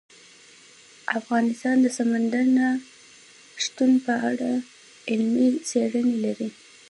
افغانستان د سمندر نه شتون په اړه علمي څېړنې لري.